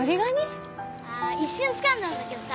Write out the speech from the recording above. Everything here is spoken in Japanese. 一瞬つかんだんだけどさ